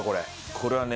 これはね